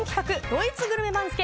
ドイツグルメ番付